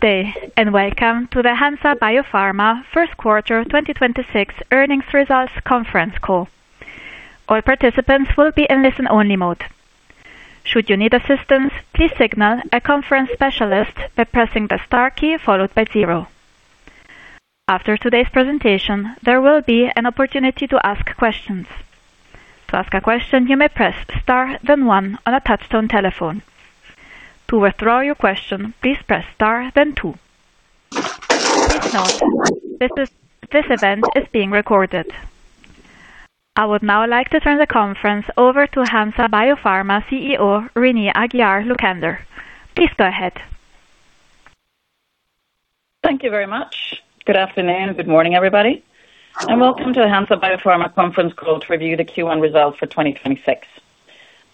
Good day, and welcome to the Hansa Biopharma first quarter 2026 earnings results conference call. All participants will be in listen-only mode. Should you need assistance, please signal a conference specialist by pressing the star key followed by zero. After today's presentation, there will be an opportunity to ask questions. To ask a question, you may press star, then one on a touchtone telephone. To withdraw your question, please press star then two. Please note, this event is being recorded. I would now like to turn the conference over to Hansa Biopharma CEO, Renée Aguiar-Lucander. Please go ahead. Thank you very much. Good afternoon, good morning, everybody, and welcome to the Hansa Biopharma conference call to review the Q1 results for 2026.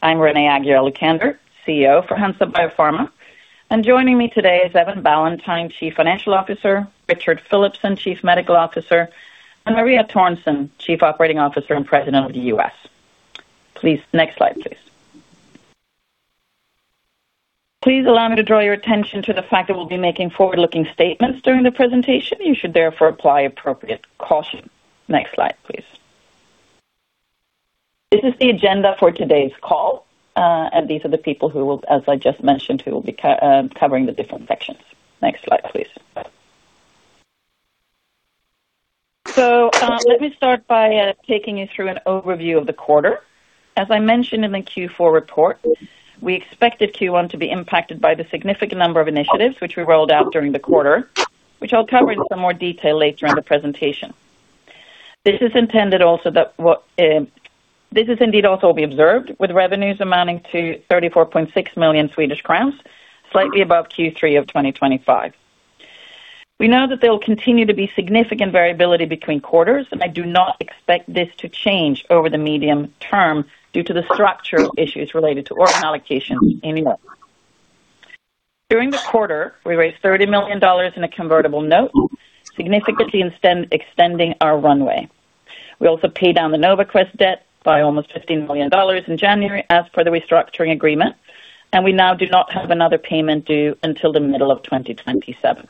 I'm Renée Aguiar-Lucander, CEO for Hansa Biopharma, and joining me today is Evan Ballantyne, Chief Financial Officer, Richard Philipson, Chief Medical Officer, and Maria Törnsén, Chief Operating Officer and President U.S. Please, next slide. Please allow me to draw your attention to the fact that we'll be making forward-looking statements during the presentation. You should therefore apply appropriate caution. Next slide, please. This is the agenda for today's call. These are the people who will, as I just mentioned, who will be covering the different sections. Next slide, please. Let me start by taking you through an overview of the quarter. As I mentioned in the Q4 report, we expected Q1 to be impacted by the significant number of initiatives which we rolled out during the quarter, which I'll cover in some more detail later on the presentation. This is indeed also observed with revenues amounting to 34.6 million Swedish crowns, slightly above Q3 of 2025. We know that there will continue to be significant variability between quarters, and I do not expect this to change over the medium term due to the structural issues related to organ allocation in Europe. During the quarter, we raised $30 million in a convertible note, significantly extending our runway. We also paid down the NovaQuest debt by almost $15 million in January, as per the restructuring agreement, and we now do not have another payment due until the middle of 2027.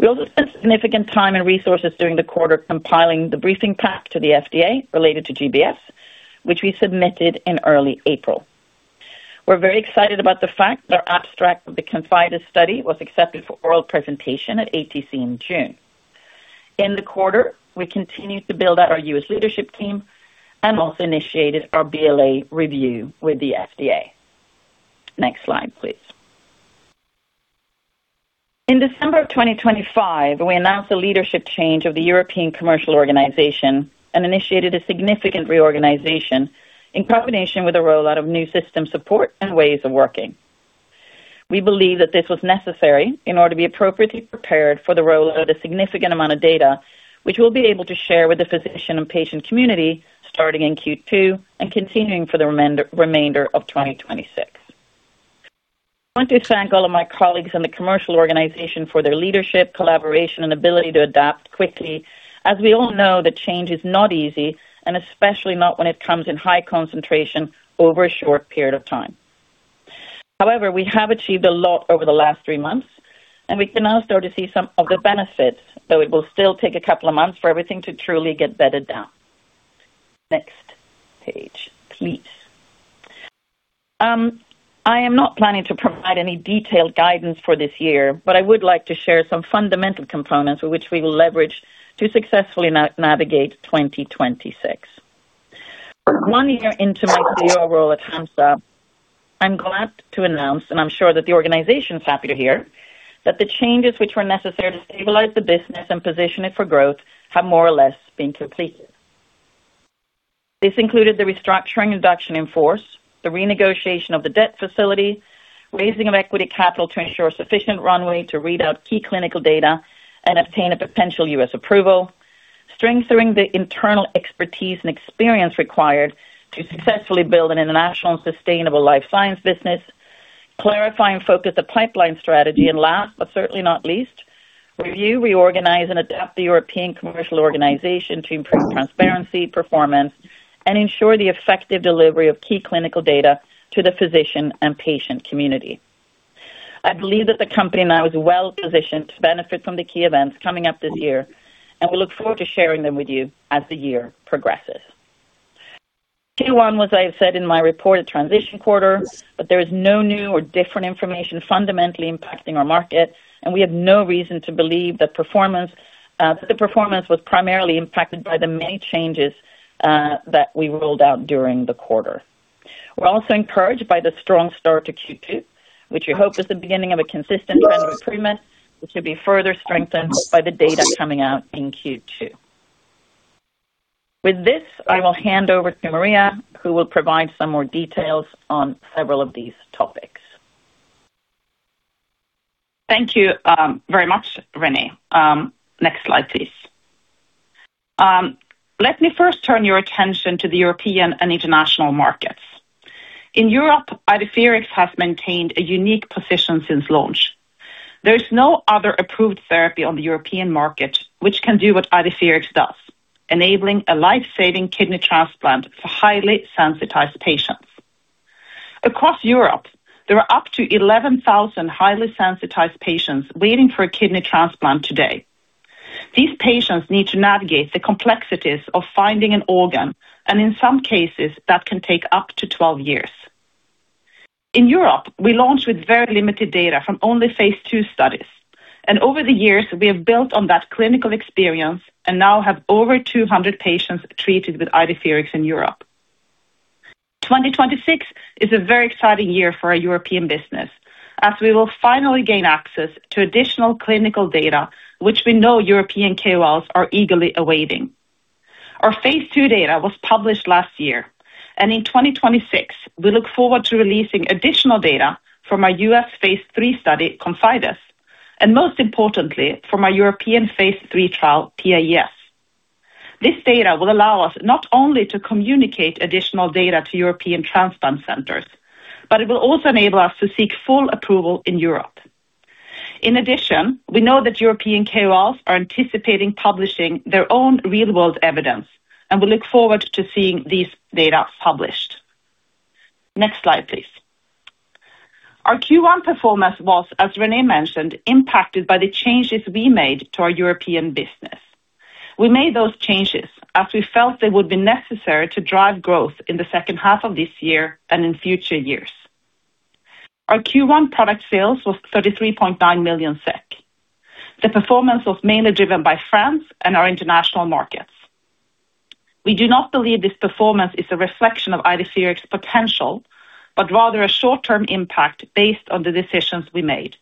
We also spent significant time and resources during the quarter compiling the briefing pack to the FDA related to GBS, which we submitted in early April. We're very excited about the fact that our abstract of the ConfIdeS study was accepted for oral presentation at ATC in June. In the quarter, we continued to build out our U.S. leadership team and also initiated our BLA review with the FDA. Next slide, please. In December of 2025, we announced a leadership change of the European commercial organization and initiated a significant reorganization in combination with the rollout of new system support and ways of working. We believe that this was necessary in order to be appropriately prepared for the rollout of significant amount of data, which we'll be able to share with the physician and patient community starting in Q2 and continuing for the remainder of 2026. I want to thank all of my colleagues in the commercial organization for their leadership, collaboration, and ability to adapt quickly. As we all know, that change is not easy, and especially not when it comes in high concentration over a short period of time. However, we have achieved a lot over the last three months, and we can now start to see some of the benefits, though it will still take a couple of months for everything to truly get bedded down. Next page, please. I am not planning to provide any detailed guidance for this year, but I would like to share some fundamental components which we will leverage to successfully navigate 2026. One year into my CEO role at Hansa, I'm glad to announce, and I'm sure that the organization is happy to hear, that the changes which were necessary to stabilize the business and position it for growth have more or less been completed. This included the restructuring, reduction in force, the renegotiation of the debt facility, raising of equity capital to ensure sufficient runway to read out key clinical data and obtain a potential U.S. approval, strengthening the internal expertise and experience required to successfully build an international and sustainable life science business, clarify and focus the pipeline strategy, and last, but certainly not least, review, reorganize, and adapt the European commercial organization to improve transparency, performance, and ensure the effective delivery of key clinical data to the physician and patient community. I believe that the company now is well-positioned to benefit from the key events coming up this year, and we look forward to sharing them with you as the year progresses. Q1 was, as I said in my report, a transition quarter, but there is no new or different information fundamentally impacting our market, and we have no reason to believe that the performance was primarily impacted by the many changes that we rolled out during the quarter. We're also encouraged by the strong start to Q2, which we hope is the beginning of a consistent trend of improvement, which should be further strengthened by the data coming out in Q2. With this, I will hand over to Maria, who will provide some more details on several of these topics. Thank you very much, Renée. Next slide, please. Let me first turn your attention to the European and international markets. In Europe, Idefirix has maintained a unique position since launch. There is no other approved therapy on the European market which can do what Idefirix does, enabling a life-saving kidney transplant for highly sensitized patients. Across Europe, there are up to 11,000 highly sensitized patients waiting for a kidney transplant today. These patients need to navigate the complexities of finding an organ, and in some cases, that can take up to 12 years. In Europe, we launched with very limited data from only phase II studies, and over the years, we have built on that clinical experience and now have over 200 patients treated with Idefirix in Europe. 2026 is a very exciting year for our European business, as we will finally gain access to additional clinical data, which we know European KOLs are eagerly awaiting. Our phase II data was published last year, and in 2026, we look forward to releasing additional data from our U.S. phase III study, ConfIdeS, and most importantly, from our European phase III trial, PAES. This data will allow us not only to communicate additional data to European transplant centers, but it will also enable us to seek full approval in Europe. In addition, we know that European KOLs are anticipating publishing their own real-world evidence, and we look forward to seeing this data published. Next slide, please. Our Q1 performance was, as Renée mentioned, impacted by the changes we made to our European business. We made those changes as we felt they would be necessary to drive growth in the second half of this year and in future years. Our Q1 product sales was 33.9 million SEK. The performance was mainly driven by France and our international markets. We do not believe this performance is a reflection of Idefirix potential, but rather a short-term impact based on the decisions we made.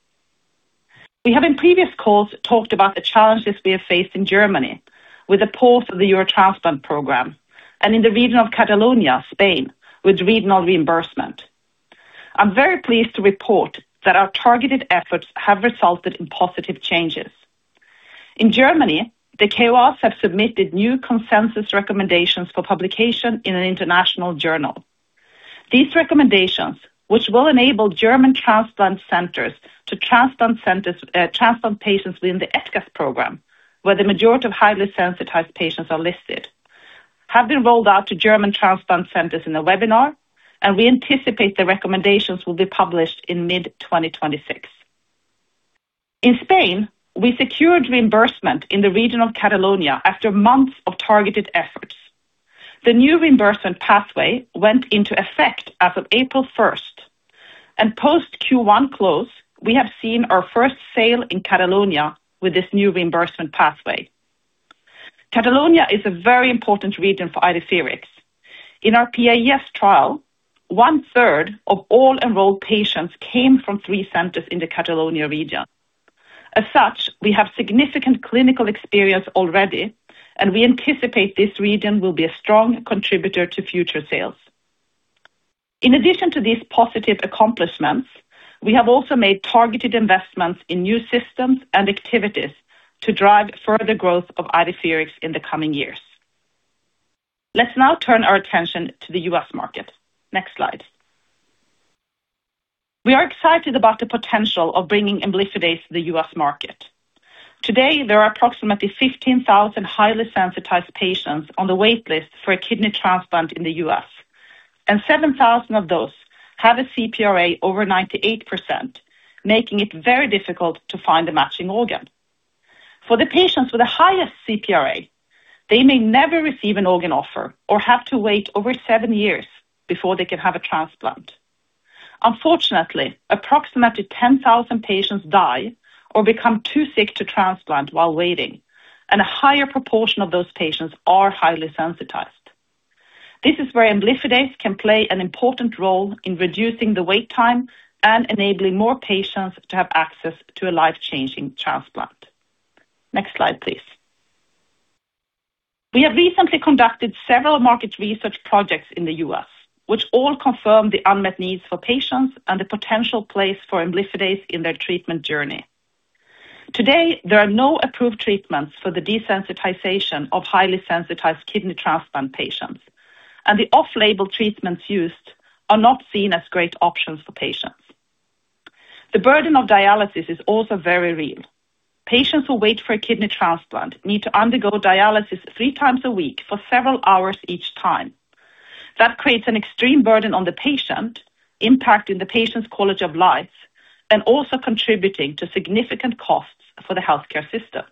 We have in previous calls talked about the challenges we have faced in Germany with the pause of the Eurotransplant program and in the region of Catalonia, Spain, with regional reimbursement. I'm very pleased to report that our targeted efforts have resulted in positive changes. In Germany, the KOLs have submitted new consensus recommendations for publication in an international journal. These recommendations, which will enable German transplant centers to transplant patients within the ETKAS program, where the majority of highly sensitized patients are listed, have been rolled out to German transplant centers in a webinar, and we anticipate the recommendations will be published in mid-2026. In Spain, we secured reimbursement in the region of Catalonia after months of targeted efforts. The new reimbursement pathway went into effect as of April 1st, and post Q1 close, we have seen our first sale in Catalonia with this new reimbursement pathway. Catalonia is a very important region for Idefirix. In our PAES trial, one-third of all enrolled patients came from three centers in the Catalonia region. As such, we have significant clinical experience already, and we anticipate this region will be a strong contributor to future sales. In addition to these positive accomplishments, we have also made targeted investments in new systems and activities to drive further growth of Idefirix in the coming years. Let's now turn our attention to the U.S. market. Next slide. We are excited about the potential of bringing Idefirix to the U.S. market. Today, there are approximately 15,000 highly sensitized patients on the wait list for a kidney transplant in the U.S., and 7,000 of those have a CPRA over 98%, making it very difficult to find a matching organ. For the patients with the highest CPRA, they may never receive an organ offer or have to wait over seven years before they can have a transplant. Unfortunately, approximately 10,000 patients die or become too sick to transplant while waiting, and a higher proportion of those patients are highly sensitized. This is where imlifidase can play an important role in reducing the wait time and enabling more patients to have access to a life-changing transplant. Next slide, please. We have recently conducted several market research projects in the U.S., which all confirm the unmet needs for patients and the potential place for imlifidase in their treatment journey. Today, there are no approved treatments for the desensitization of highly sensitized kidney transplant patients, and the off-label treatments used are not seen as great options for patients. The burden of dialysis is also very real. Patients who wait for a kidney transplant need to undergo dialysis three times a week for several hours each time. That creates an extreme burden on the patient, impacting the patient's quality of life and also contributing to significant costs for the healthcare system.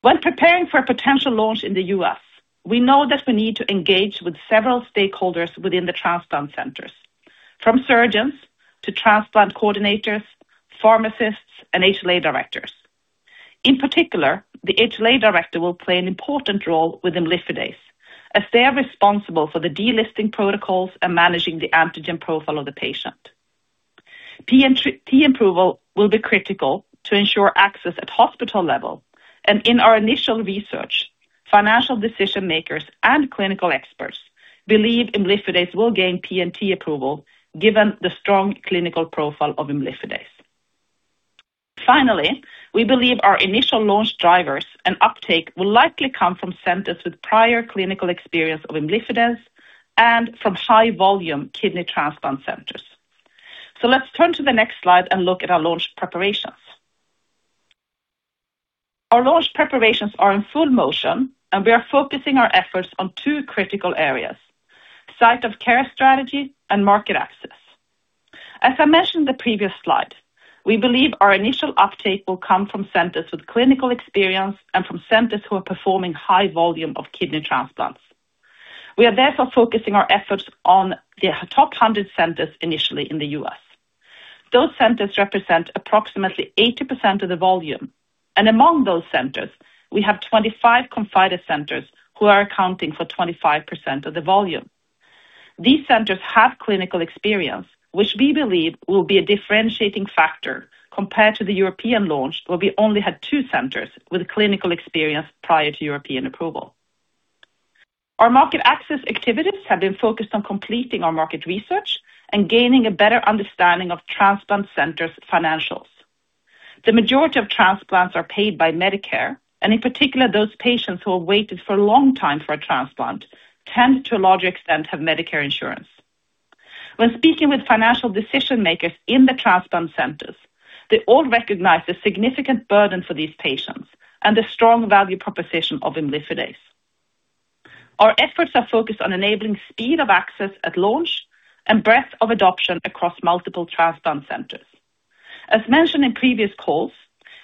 When preparing for a potential launch in the U.S., we know that we need to engage with several stakeholders within the transplant centers, from surgeons to transplant coordinators, pharmacists, and HLA directors. In particular, the HLA director will play an important role with imlifidase, as they are responsible for the delisting protocols and managing the antigen profile of the patient. P&T approval will be critical to ensure access at hospital level. In our initial research, financial decision-makers and clinical experts believe imlifidase will gain P&T approval given the strong clinical profile of imlifidase. Finally, we believe our initial launch drivers and uptake will likely come from centers with prior clinical experience of imlifidase and from high volume kidney transplant centers. Let's turn to the next slide and look at our launch preparations. Our launch preparations are in full motion, and we are focusing our efforts on two critical areas, site of care strategy and market access. As I mentioned in the previous slide, we believe our initial uptake will come from centers with clinical experience and from centers who are performing high volume of kidney transplants. We are therefore focusing our efforts on the top 100 centers initially in the U.S. Those centers represent approximately 80% of the volume, and among those centers, we have 25 ConfIdeS centers who are accounting for 25% of the volume. These centers have clinical experience, which we believe will be a differentiating factor compared to the European launch, where we only had two centers with clinical experience prior to European approval. Our market access activities have been focused on completing our market research and gaining a better understanding of transplant centers' financials. The majority of transplants are paid by Medicare, and in particular, those patients who have waited for a long time for a transplant tend to a larger extent, have Medicare insurance. When speaking with financial decision-makers in the transplant centers, they all recognize the significant burden for these patients and the strong value proposition of imlifidase. Our efforts are focused on enabling speed of access at launch and breadth of adoption across multiple transplant centers. As mentioned in previous calls,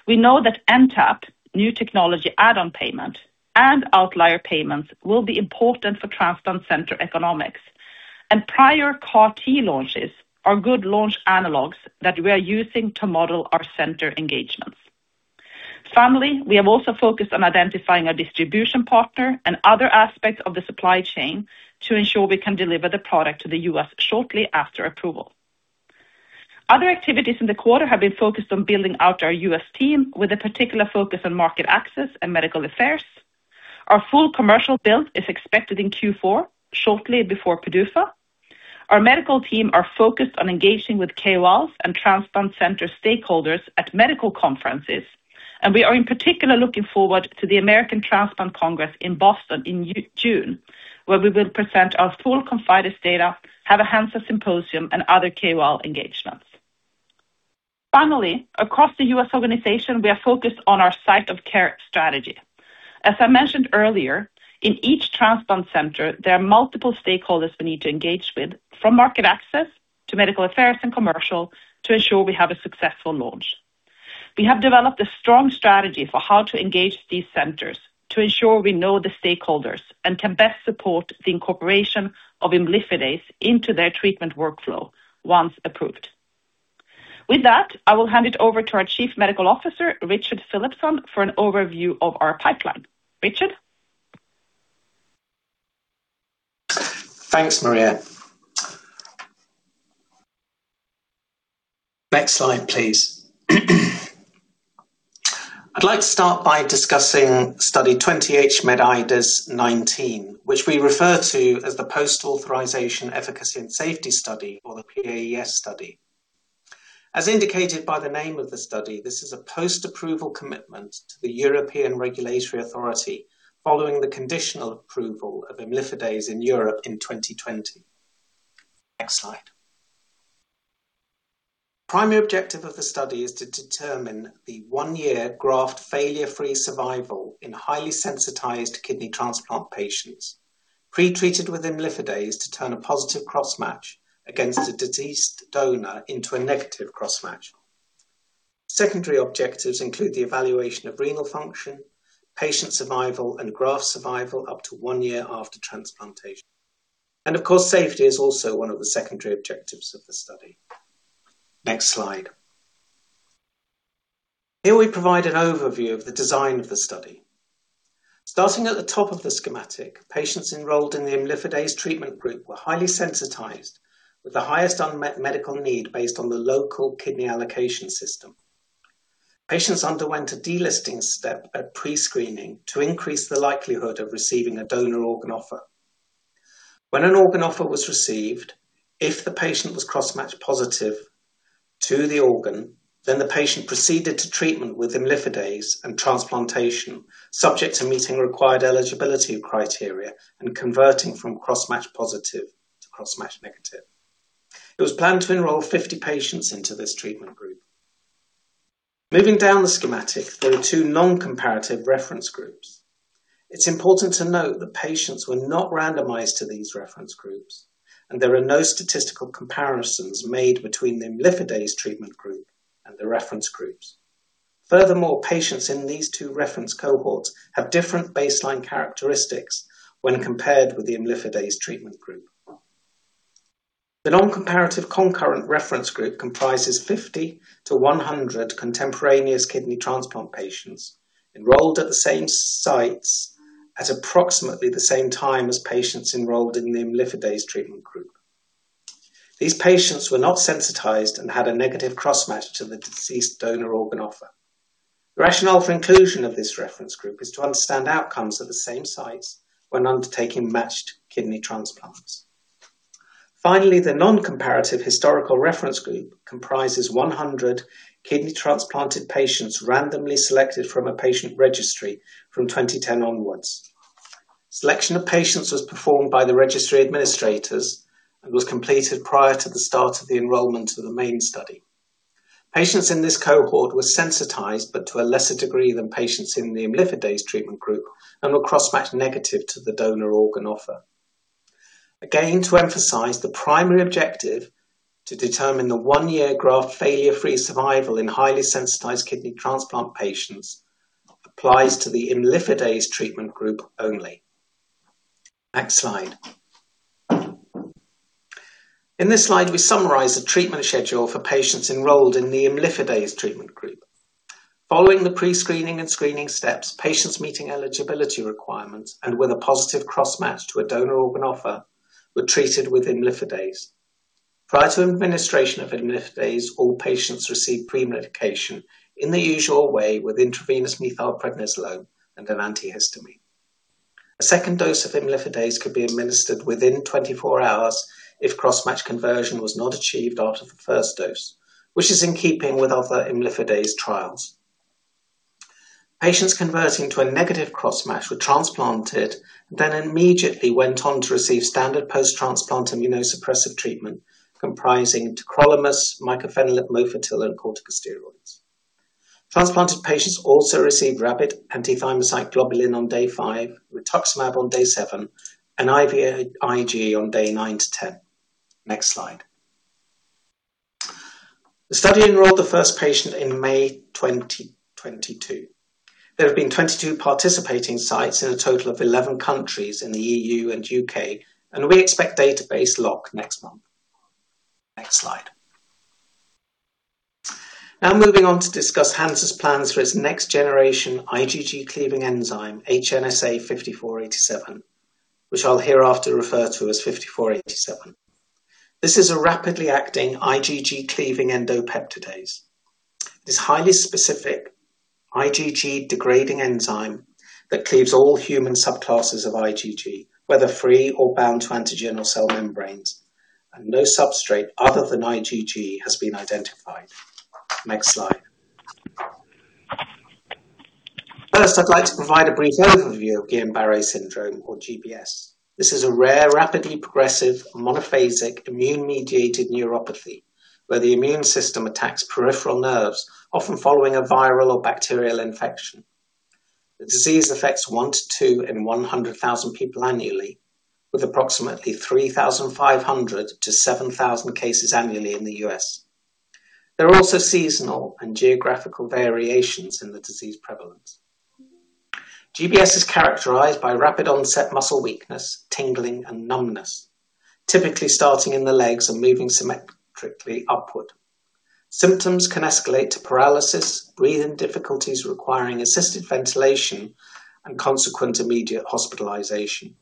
we know that NTAP, new technology add-on payment, and outlier payments will be important for transplant center economics, and prior CAR T launches are good launch analogs that we are using to model our center engagements. Finally, we have also focused on identifying a distribution partner and other aspects of the supply chain to ensure we can deliver the product to the U.S. shortly after approval. Other activities in the quarter have been focused on building out our U.S. team with a particular focus on market access and medical affairs. Our full commercial build is expected in Q4, shortly before PDUFA. Our medical team are focused on engaging with KOLs and transplant center stakeholders at medical conferences, and we are in particular looking forward to the American Transplant Congress in Boston in June, where we will present our full ConfIdeS data, have a Hansa symposium and other KOL engagements. Finally, across the U.S. organization, we are focused on our site of care strategy. As I mentioned earlier, in each transplant center, there are multiple stakeholders we need to engage with, from market access to medical affairs and commercial, to ensure we have a successful launch. We have developed a strong strategy for how to engage these centers to ensure we know the stakeholders and can best support the incorporation of imlifidase into their treatment workflow once approved. With that, I will hand it over to our Chief Medical Officer, Richard Philipson, for an overview of our pipeline. Richard? Thanks, Maria. Next slide, please. I'd like to start by discussing Study 20-HMedIdeS-19, which we refer to as the Post-Authorization Efficacy and Safety Study or the PAES study. As indicated by the name of the study, this is a post-approval commitment to the European Regulatory Authority following the conditional approval of imlifidase in Europe in 2020. Next slide. Primary objective of the study is to determine the one-year graft failure-free survival in highly sensitized kidney transplant patients pre-treated with imlifidase to turn a positive cross-match against a deceased donor into a negative cross-match. Secondary objectives include the evaluation of renal function, patient survival, and graft survival up to one year after transplantation. Of course, safety is also one of the secondary objectives of the study. Next slide. Here we provide an overview of the design of the study. Starting at the top of the schematic, patients enrolled in the imlifidase treatment group were highly sensitized with the highest unmet medical need based on the local kidney allocation system. Patients underwent a delisting step at pre-screening to increase the likelihood of receiving a donor organ offer. When an organ offer was received, if the patient was cross-match positive to the organ, then the patient proceeded to treatment with imlifidase and transplantation, subject to meeting required eligibility criteria and converting from cross-match positive to cross-match negative. It was planned to enroll 50 patients into this treatment group. Moving down the schematic, there are two non-comparative reference groups. It's important to note that patients were not randomized to these reference groups, and there are no statistical comparisons made between the imlifidase treatment group and the reference groups. Furthermore, patients in these two reference cohorts have different baseline characteristics when compared with the imlifidase treatment group. The non-comparative concurrent reference group comprises 50-100 contemporaneous kidney transplant patients enrolled at the same sites at approximately the same time as patients enrolled in the imlifidase treatment group. These patients were not sensitized and had a negative cross-match to the deceased donor organ offer. The rationale for inclusion of this reference group is to understand outcomes at the same sites when undertaking matched kidney transplants. Finally, the non-comparative historical reference group comprises 100 kidney transplanted patients randomly selected from a patient registry from 2010 onwards. Selection of patients was performed by the registry administrators and was completed prior to the start of the enrollment of the main study. Patients in this cohort were sensitized, but to a lesser degree than patients in the imlifidase treatment group and were cross-match negative to the donor organ offer. Again, to emphasize the primary objective, to determine the one-year graft failure-free survival in highly sensitized kidney transplant patients applies to the imlifidase treatment group only. Next slide. In this slide, we summarize the treatment schedule for patients enrolled in the imlifidase treatment group. Following the pre-screening and screening steps, patients meeting eligibility requirements and with a positive cross-match to a donor organ offer were treated with imlifidase. Prior to administration of imlifidase, all patients received pre-medication in the usual way with intravenous methylprednisolone and an antihistamine. A second dose of imlifidase could be administered within 24 hours if cross-match conversion was not achieved after the first dose, which is in keeping with other imlifidase trials. Patients converting to a negative cross-match were transplanted, then immediately went on to receive standard post-transplant immunosuppressive treatment comprising tacrolimus, mycophenolate mofetil, and corticosteroids. Transplanted patients also received rabbit antithymocyte globulin on day five, rituximab on day seven, and IVIG on day nine to 10. Next slide. The study enrolled the first patient in May 2022. There have been 22 participating sites in a total of 11 countries in the E.U. and U.K., and we expect database lock next month. Next slide. Now moving on to discuss Hansa's plans for its next generation IgG cleaving enzyme, HNSA-5487, which I'll hereafter refer to as "5487." This is a rapidly acting IgG cleaving endopeptidase. This highly specific IgG-degrading enzyme that cleaves all human subclasses of IgG, whether free or bound to antigen or cell membranes, and no substrate other than IgG has been identified. Next slide. First, I'd like to provide a brief overview of Guillain-Barré syndrome or GBS. This is a rare, rapidly progressive, monophasic, immune-mediated neuropathy where the immune system attacks peripheral nerves, often following a viral or bacterial infection. The disease affects 1-2 in 100,000 people annually, with approximately 3,500-7,000 cases annually in the U.S. There are also seasonal and geographical variations in the disease prevalence. GBS is characterized by rapid onset muscle weakness, tingling, and numbness, typically starting in the legs and moving symmetrically upward. Symptoms can escalate to paralysis, breathing difficulties requiring assisted ventilation, and consequent immediate hospitalization.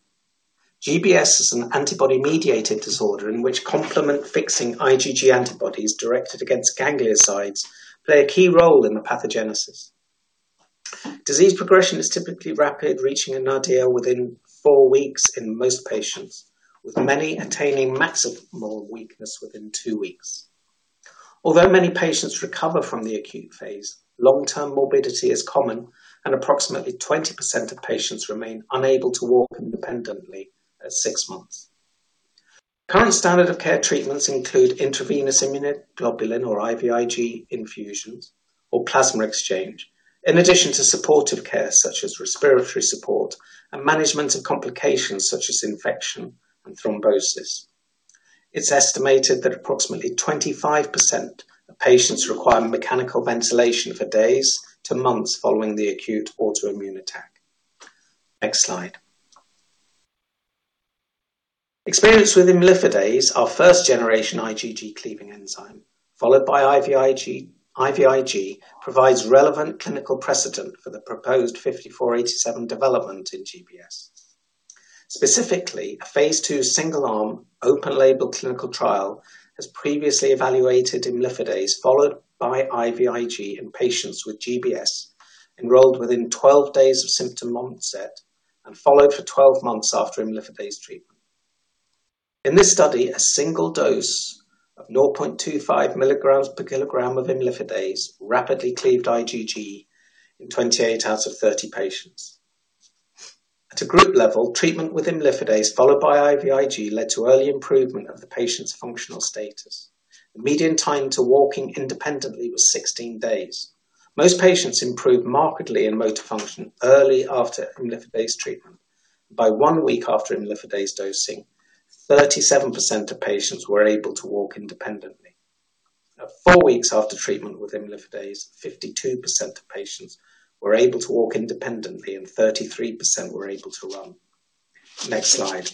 GBS is an antibody-mediated disorder in which complement fixing IgG antibodies directed against gangliosides play a key role in the pathogenesis. Disease progression is typically rapid, reaching a nadir within four weeks in most patients, with many attaining maximal weakness within two weeks. Although many patients recover from the acute phase, long-term morbidity is common, and approximately 20% of patients remain unable to walk independently at six months. Current standard of care treatments include intravenous immunoglobulin or IVIG infusions or plasma exchange, in addition to supportive care such as respiratory support and management of complications such as infection and thrombosis. It's estimated that approximately 25% of patients require mechanical ventilation for days to months following the acute autoimmune attack. Next slide. Experience with imlifidase, our first-generation IgG cleaving enzyme, followed by IVIG, provides relevant clinical precedent for the proposed 5487 development in GBS. Specifically, a phase II single-arm open-label clinical trial has previously evaluated imlifidase followed by IVIG in patients with GBS enrolled within 12 days of symptom onset and followed for 12 months after imlifidase treatment. In this study, a single dose of 0.25 milligrams per kilogram of imlifidase rapidly cleaved IgG in 28 out of 30 patients. At a group level, treatment with imlifidase followed by IVIG led to early improvement of the patient's functional status. The median time to walking independently was 16 days. Most patients improved markedly in motor function early after imlifidase treatment. By one week after imlifidase dosing, 37% of patients were able to walk independently. At four weeks after treatment with imlifidase, 52% of patients were able to walk independently and 33% were able to run. Next slide.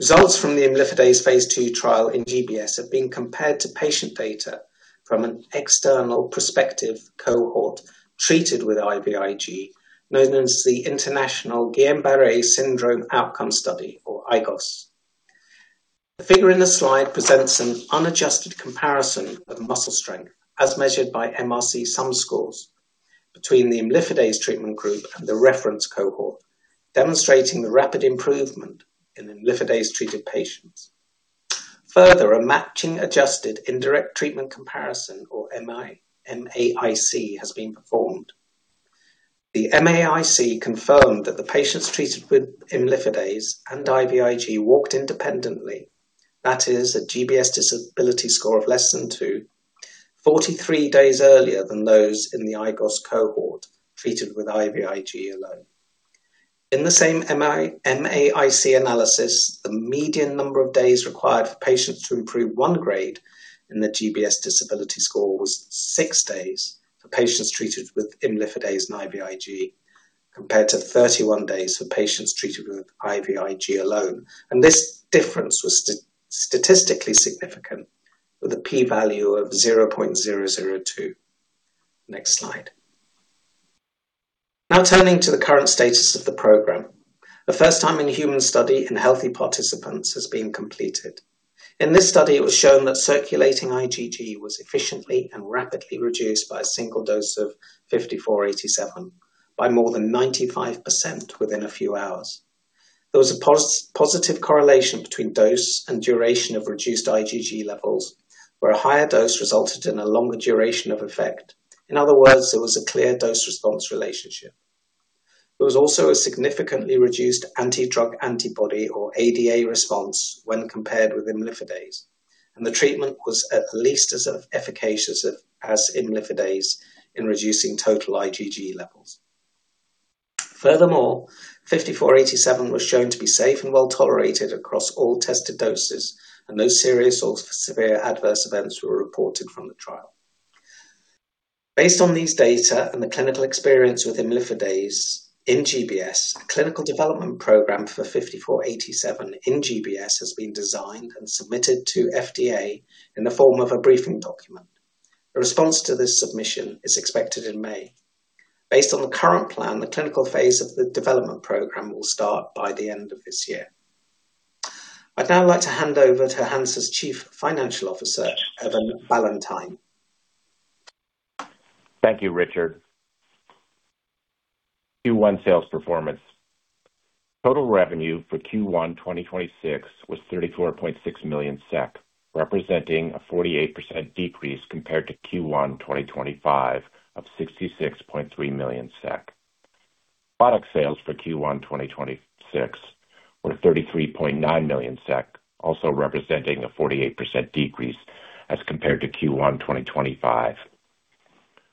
Results from the imlifidase phase II trial in GBS have been compared to patient data from an external prospective cohort treated with IVIG, known as the International Guillain-Barré Syndrome Outcome Study, or IGOS. The figure in the slide presents an unadjusted comparison of muscle strength as measured by MRC sum scores between the imlifidase treatment group and the reference cohort, demonstrating the rapid improvement in imlifidase-treated patients. Further, a matching adjusted indirect treatment comparison or MAIC has been performed. The MAIC confirmed that the patients treated with imlifidase and IVIG walked independently. That is a GBS disability score of less than 2, 43 days earlier than those in the IGOS cohort treated with IVIG alone. In the same MAIC analysis, the median number of days required for patients to improve one grade in the GBS disability score was six days for patients treated with imlifidase and IVIG, compared to 31 days for patients treated with IVIG alone. This difference was statistically significant with a P value of 0.002. Next slide. Now turning to the current status of the program. The first time in human study in healthy participants has been completed. In this study, it was shown that circulating IgG was efficiently and rapidly reduced by a single dose of HNSA-5487 by more than 95% within a few hours. There was a positive correlation between dose and duration of reduced IgG levels, where a higher dose resulted in a longer duration of effect. In other words, there was a clear dose-response relationship. There was also a significantly reduced anti-drug antibody or ADA response when compared with imlifidase, and the treatment was at least as efficacious as imlifidase in reducing total IgG levels. Furthermore, HNSA-5487 was shown to be safe and well-tolerated across all tested doses, and no serious or severe adverse events were reported from the trial. Based on these data and the clinical experience with imlifidase in GBS, a clinical development program for 5487 in GBS has been designed and submitted to FDA in the form of a briefing document. A response to this submission is expected in May. Based on the current plan, the clinical phase of the development program will start by the end of this year. I'd now like to hand over to Hansa's Chief Financial Officer, Evan Ballantyne. Thank you, Richard. Q1 sales performance. Total revenue for Q1 2026 was 34.6 million SEK, representing a 48% decrease compared to Q1 2025 of 66.3 million SEK. Product sales for Q1 2026 were 33.9 million SEK, also representing a 48% decrease as compared to Q1 2025.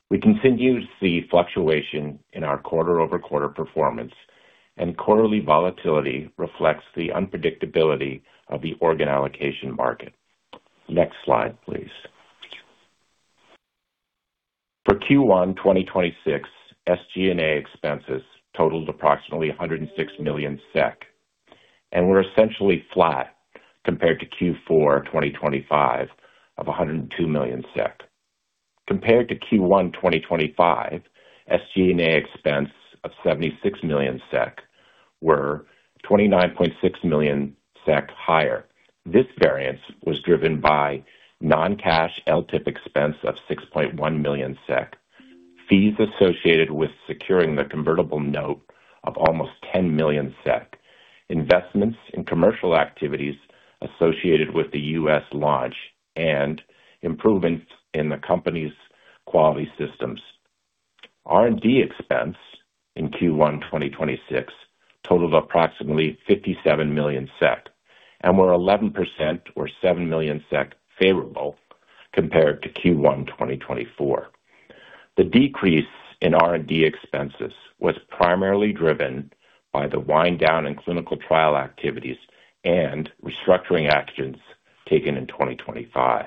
We continue to see fluctuation in our quarter-over-quarter performance, and quarterly volatility reflects the unpredictability of the organ allocation market. Next slide, please. For Q1 2026, SG&A expenses totaled approximately 106 million SEK, and were essentially flat compared to Q4 2025 of 102 million. Compared to Q1 2025, SG&A expense of 76 million SEK were 29.6 million SEK higher. This variance was driven by non-cash LTIP expense of 6.1 million SEK, fees associated with securing the convertible note of almost 10 million SEK, investments in commercial activities associated with the U.S. launch, and improvements in the company's quality systems. R&D expense in Q1 2026 totaled approximately 57 million SEK and were 11% or 7 million SEK favorable compared to Q1 2024. The decrease in R&D expenses was primarily driven by the wind down in clinical trial activities and restructuring actions taken in 2025.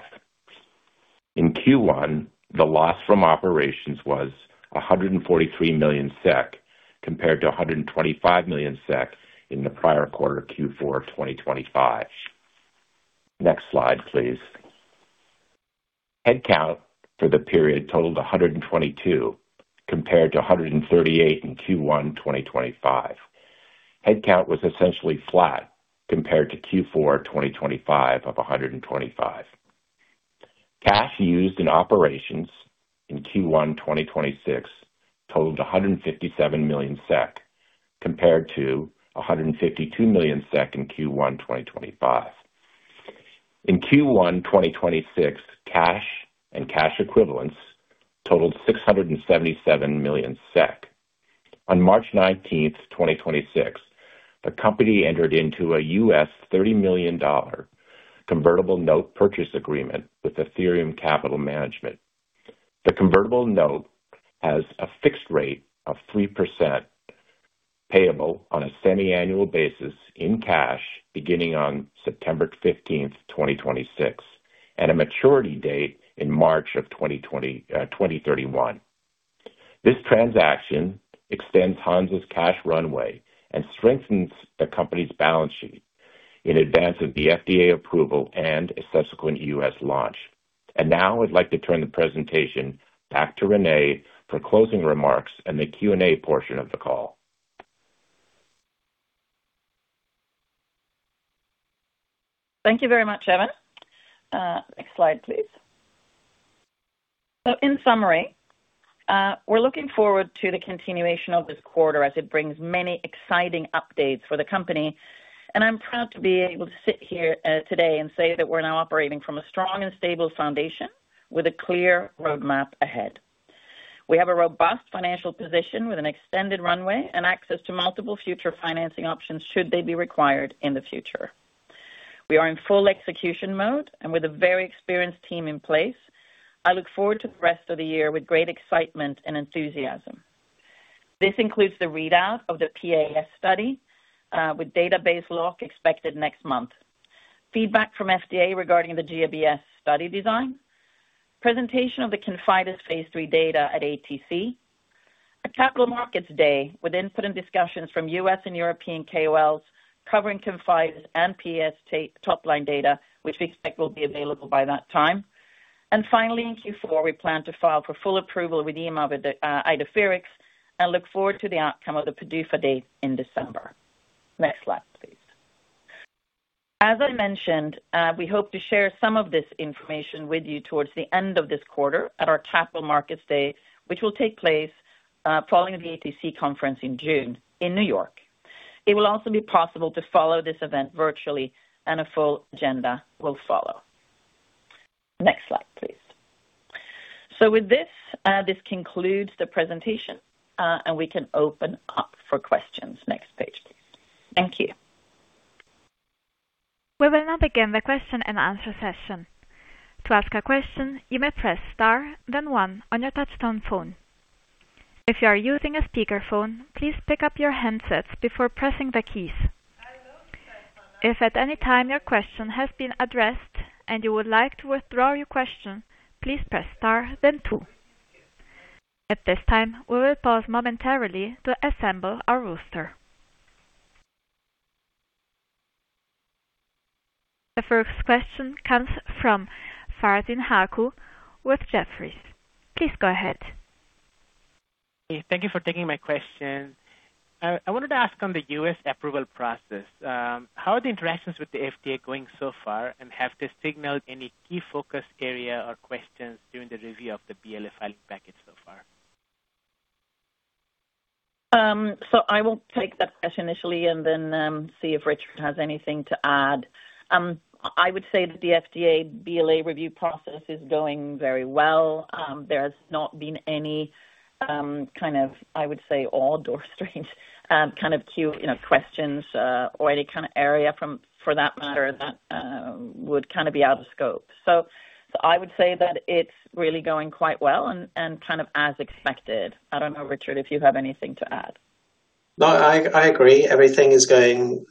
In Q1, the loss from operations was 143 million SEK, compared to 125 million SEK in the prior quarter, Q4 2025. Next slide, please. Headcount for the period totaled 122, compared to 138 in Q1 2025. Headcount was essentially flat compared to Q4 2025 of 125. Cash used in operations in Q1 2026 totaled 157 million SEK, compared to 152 million SEK in Q1 2025. In Q1 2026, cash and cash equivalents totaled 677 million SEK. On March 19th 2026, the company entered into a U.S. $30 million convertible note purchase agreement with Athyrium Capital Management. The convertible note has a fixed rate of 3% payable on a semi-annual basis in cash beginning on September 15th, 2026, and a maturity date in March of 2031. This transaction extends Hansa's cash runway and strengthens the company's balance sheet in advance of the FDA approval and a subsequent U.S. launch. Now I'd like to turn the presentation back to Renée for closing remarks and the Q&A portion of the call. Thank you very much, Evan. Next slide, please. In summary, we're looking forward to the continuation of this quarter as it brings many exciting updates for the company, and I'm proud to be able to sit here today and say that we're now operating from a strong and stable foundation with a clear roadmap ahead. We have a robust financial position with an extended runway and access to multiple future financing options should they be required in the future. We are in full execution mode and with a very experienced team in place, I look forward to the rest of the year with great excitement and enthusiasm. This includes the readout of the PAES study, with database lock expected next month. Feedback from FDA regarding the GBS study design, presentation of the ConfIdeS phase III data at ATC, a capital markets day with input and discussions from U.S. and European KOLs covering ConfIdeS and PAES top line data, which we expect will be available by that time. Finally, in Q4, we plan to file for full approval with EMA with Idefirix and look forward to the outcome of the PDUFA date in December. Next slide, please. As I mentioned, we hope to share some of this information with you towards the end of this quarter at our capital markets day, which will take place following the VTC conference in June in New York. It will also be possible to follow this event virtually and a full agenda will follow. Next slide, please. With this concludes the presentation, and we can open up for questions. Next page, please. Thank you. We will now begin the question and answer session. To ask a question, you may press star then one on your touchtone phone. If you are using a speakerphone, please pick up your handsets before pressing the keys. If at any time your question has been addressed and you would like to withdraw your question, please press star then two. At this time, we will pause momentarily to assemble our roster. The first question comes from Farzin Haque with Jefferies. Please go ahead. Thank you for taking my question. I wanted to ask on the U.S. approval process, how are the interactions with the FDA going so far, and have they signaled any key focus area or questions during the review of the BLA filing package so far? I will take that question initially and then see if Richard has anything to add. I would say that the FDA BLA review process is going very well. There has not been any, kind of, I would say odd or strange kind of questions or any kind of area for that matter that would be out of scope. I would say that it's really going quite well and kind of as expected. I don't know, Richard, if you have anything to add. No, I agree. Everything is going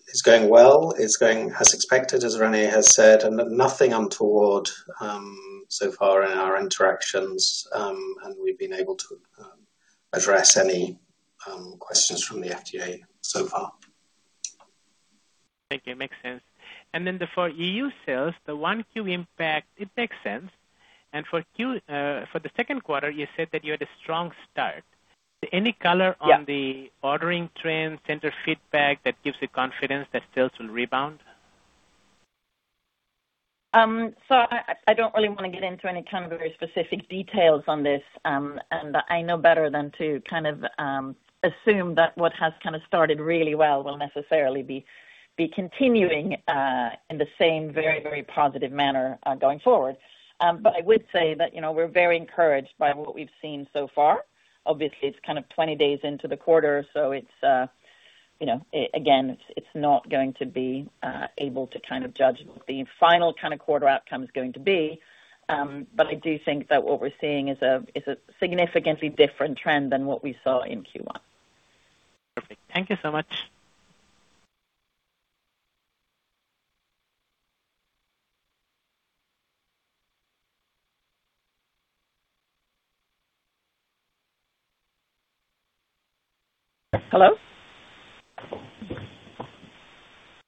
well, it's going as expected, as Renée has said, and nothing untoward so far in our interactions, and we've been able to address any questions from the FDA so far. Thank you. Makes sense. For EU sales, the 1Q impact, it makes sense. For the second quarter, you said that you had a strong start. Any color on the ordering trend, center feedback that gives you confidence that sales will rebound? I don't really want to get into any kind of very specific details on this, and I know better than to kind of assume that what has kind of started really well will necessarily be continuing in the same very, very positive manner going forward. I would say that we're very encouraged by what we've seen so far. Obviously, it's kind of 20 days into the quarter, so again, it's not going to be able to judge what the final quarter outcome is going to be. I do think that what we're seeing is a significantly different trend than what we saw in Q1. Perfect. Thank you so much. Hello?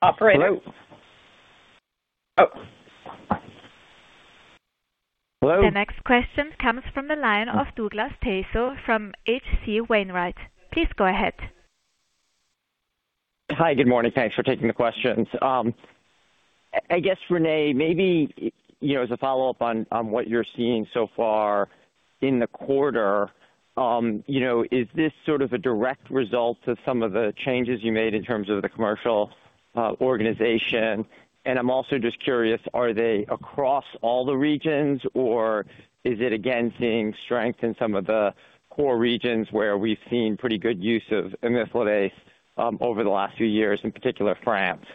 Operator. Hello? Oh. Hello. The next question comes from the line of Douglas Tsao from H.C. Wainwright. Please go ahead. Hi, good morning. Thanks for taking the questions. I guess, Renée, maybe as a follow-up on what you're seeing so far in the quarter, is this sort of a direct result of some of the changes you made in terms of the commercial organization? I'm also just curious, are they across all the regions or is it again seeing strength in some of the core regions where we've seen pretty good use of imlifidase over the last few years, in particular France?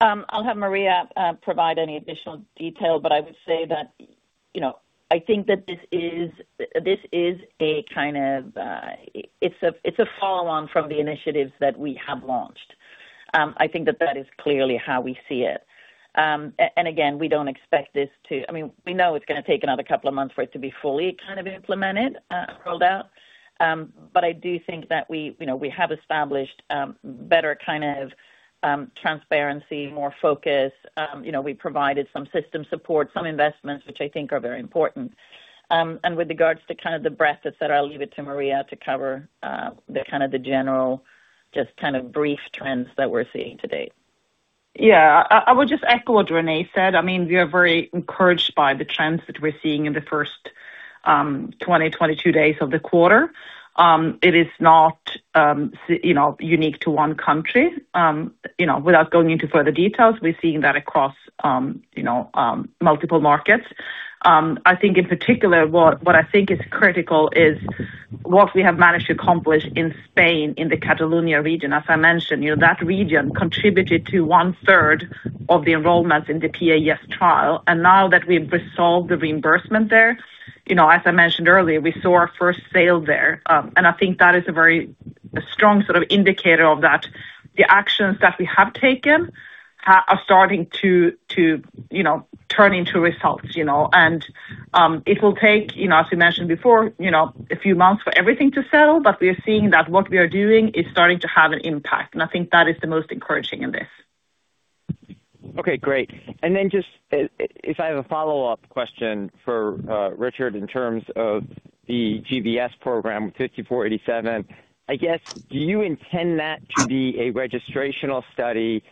I'll have Maria provide any additional detail, but I would say that I think that this is a follow-on from the initiatives that we have launched. I think that that is clearly how we see it. Again, we don't expect this to. We know it's going to take another couple of months for it to be fully implemented, rolled out. I do think that we have established better kind of transparency, more focus. We provided some system support, some investments, which I think are very important. With regards to the breadth, etc. I'll leave it to Maria to cover the general, just kind of brief trends that we're seeing to date. Yeah. I would just echo what Renée said. We are very encouraged by the trends that we're seeing in the first 20-22 days of the quarter. It is not unique to one country. Without going into further details, we're seeing that across multiple markets. I think in particular, what I think is critical is what we have managed to accomplish in Spain, in the Catalonia region. As I mentioned, that region contributed to one-third of the enrollments in the PAES trial. Now that we've resolved the reimbursement there, as I mentioned earlier, we saw our first sale there. I think that is a very strong indicator of that. The actions that we have taken are starting to turn into results. It will take, as we mentioned before, a few months for everything to settle, but we are seeing that what we are doing is starting to have an impact, and I think that is the most encouraging in this. Okay, great. Just, if I have a follow-up question for Richard in terms of the GBS program 5487. I guess, do you intend that to be a registrational study?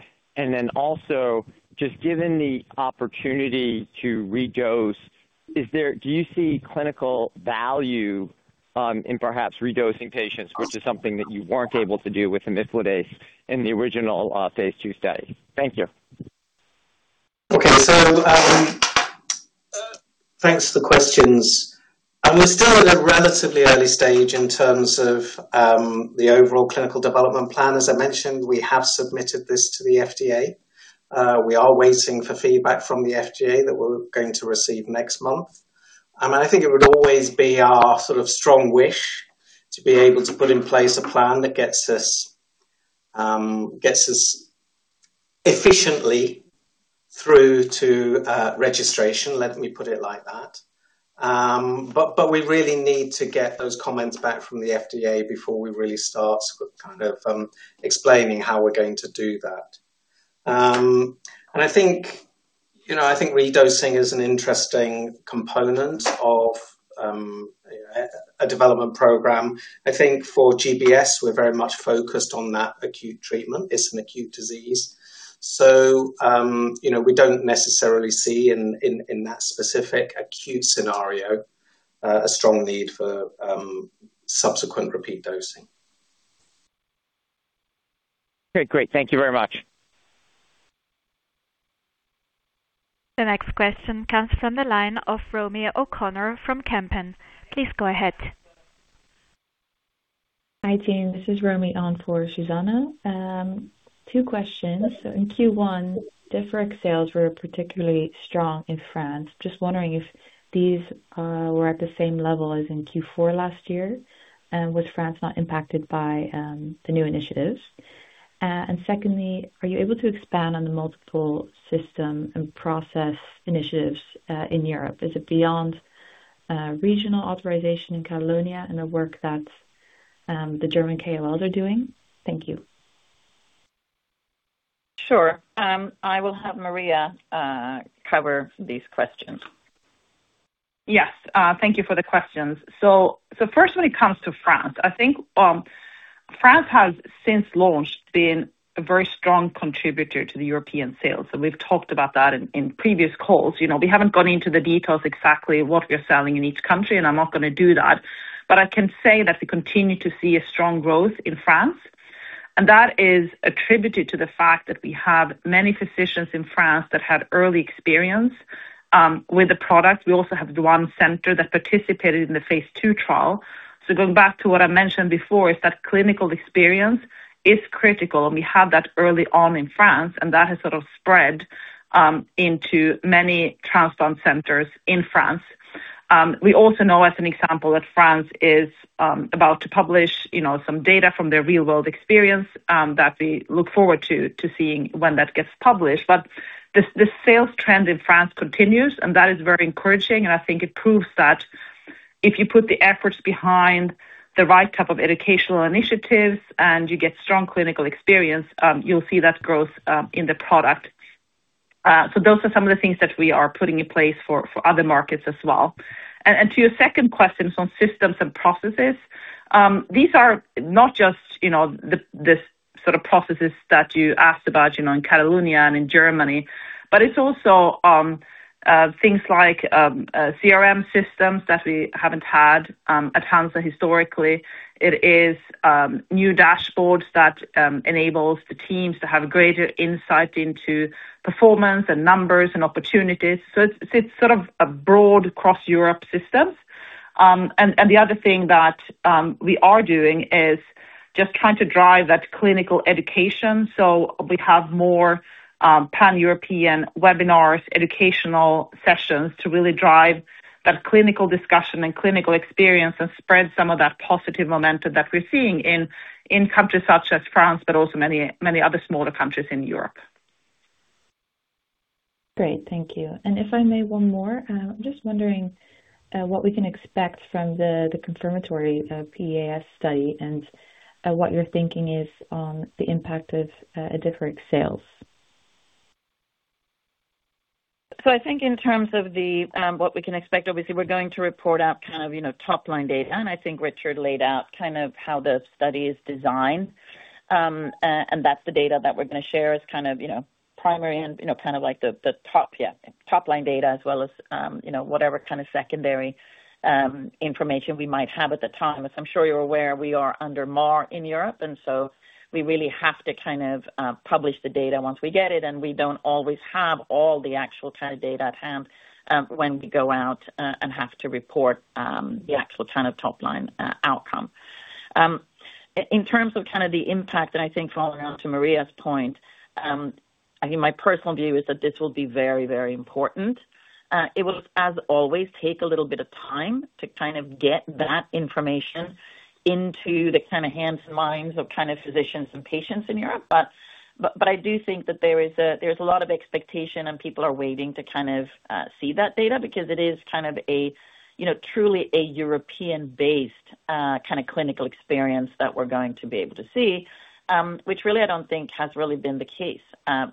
Just, given the opportunity to redose, do you see clinical value in perhaps redosing patients, which is something that you weren't able to do with imlifidase in the original phase II study? Thank you. Okay. Thanks for the questions. We're still at a relatively early stage in terms of the overall clinical development plan. As I mentioned, we have submitted this to the FDA. We are waiting for feedback from the FDA that we're going to receive next month. I think it would always be our strong wish to be able to put in place a plan that gets us efficiently through to registration, let me put it like that. We really need to get those comments back from the FDA before we really start kind of explaining how we're going to do that. I think redosing is an interesting component of a development program. I think for GBS, we're very much focused on that acute treatment. It's an acute disease. We don't necessarily see in that specific acute scenario, a strong need for subsequent repeat dosing. Okay, great. Thank you very much. The next question comes from the line of Romy O'Connor from Kempen. Please go ahead. Hi, team. This is Romy O'Connor on for Sushila. Two questions. In Q1, net sales were particularly strong in France. Just wondering if these were at the same level as in Q4 last year, and was France not impacted by the new initiatives? Secondly, are you able to expand on the multiple system and process initiatives in Europe? Is it beyond regional authorization in Catalonia and the work that the German KOLs are doing? Thank you. Sure. I will have Maria cover these questions. Yes. Thank you for the questions. First, when it comes to France, I think France has since launch, been a very strong contributor to the European sales, and we've talked about that in previous calls. We haven't gone into the details exactly what we are selling in each country, and I'm not going to do that, but I can say that we continue to see a strong growth in France. That is attributed to the fact that we have many physicians in France that had early experience with the product. We also have the one center that participated in the phase II trial. Going back to what I mentioned before, is that clinical experience is critical, and we had that early on in France, and that has sort of spread into many transplant centers in France. We also know, as an example, that France is about to publish some data from their real-world experience that we look forward to seeing when that gets published. But the sales trend in France continues, and that is very encouraging, and I think it proves that if you put the efforts behind the right type of educational initiatives and you get strong clinical experience, you'll see that growth in the product. So those are some of the things that we are putting in place for other markets as well. To your second question on systems and processes. These are not just the sort of processes that you asked about in Catalonia and in Germany, but it's also things like CRM systems that we haven't had at Hansa historically. It is new dashboards that enables the teams to have greater insight into performance and numbers and opportunities. It's sort of a broad cross Europe system. The other thing that we are doing is just trying to drive that clinical education. We have more pan-European webinars, educational sessions to really drive that clinical discussion and clinical experience and spread some of that positive momentum that we're seeing in countries such as France, but also many other smaller countries in Europe. Great. Thank you. If I may, one more. I'm just wondering what we can expect from the confirmatory PAES study and what your thinking is on the impact of a different sales? I think in terms of what we can expect, obviously, we're going to report out top-line data. I think Richard laid out how the study is designed. That's the data that we're going to share as primary and the top, yeah, top-line data as well as whatever kind of secondary information we might have at the time. As I'm sure you're aware, we are under MAR in Europe, and so we really have to publish the data once we get it, and we don't always have all the actual data at hand when we go out and have to report the actual top-line outcome. In terms of the impact, and I think following on to Maria's point, I think my personal view is that this will be very important. It will, as always, take a little bit of time to get that information into the hands and minds of physicians and patients in Europe. I do think that there's a lot of expectation, and people are waiting to see that data because it is truly a European-based clinical experience that we're going to be able to see, which really I don't think has really been the case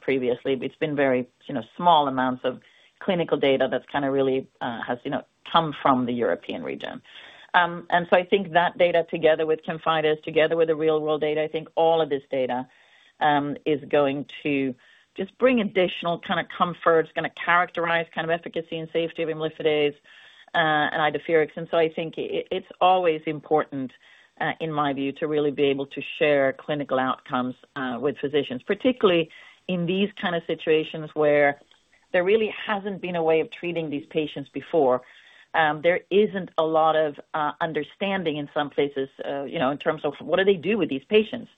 previously. It's been very small amounts of clinical data that really has come from the European region. I think that data, together with ConfIdeS, together with the real world data, I think all of this data is going to just bring additional comfort. It's going to characterize efficacy and safety of imlifidase and Idefirix. I think it's always important, in my view, to really be able to share clinical outcomes with physicians, particularly in these kind of situations where there really hasn't been a way of treating these patients before. There isn't a lot of understanding in some places, in terms of what do they do with these patients.